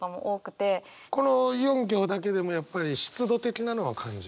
この４行だけでもやっぱり湿度的なのは感じる？